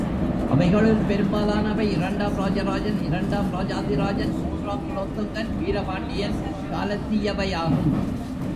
அவைகளுள் பெரும்பாலானவை இரண்டாம் ராஜராஜன், இரண்டாம் ராஜாதி ராஜன், மூன்றாம் குலோத்துங்கன், வீரபாண்டியன் காலத்தியவையாகும்.